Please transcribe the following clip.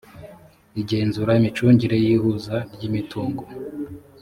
igenzura imicungire y ihuza ry imitungo